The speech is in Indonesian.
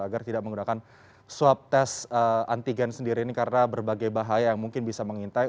agar tidak menggunakan swab tes antigen sendiri ini karena berbagai bahaya yang mungkin bisa mengintai